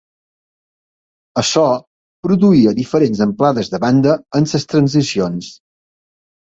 Això produïa diferents amplades de banda en les transicions.